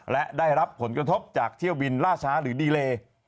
และได้รับผลกระทบจากเที่ยวบินล่าช้าหรือดีเล